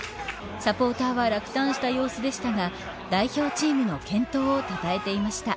サポーターは落胆した様子でしたが代表チームの健闘をたたえていました。